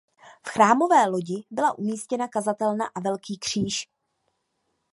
V chrámové lodi byla umístěna kazatelna a velký kříž.